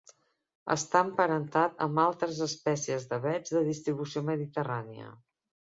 Està emparentat amb altres espècies d'avets de distribució mediterrània.